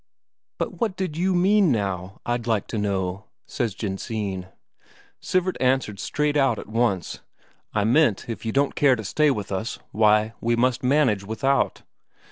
"But what did you mean, now, I'd like to know?" says Jensine. Sivert answered straight out at once: "I meant, if you don't care to stay with us, why, we must manage without."